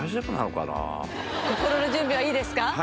心の準備はいいですか？